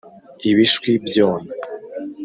ibishwi byona